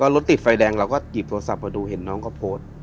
รถติดไฟแดงเราก็หยิบโทรศัพท์มาดูเห็นน้องเขาโพสต์